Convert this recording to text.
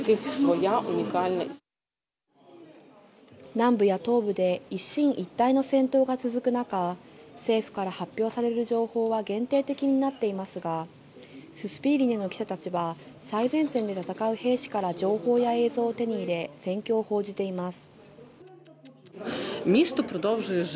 南部や東部で一進一退の戦闘が続く中、政府から発表される情報は限定的になっていますが、ススピーリネの記者たちは最前線で戦う兵士から情報や映像を手に入れ、戦況を報じています。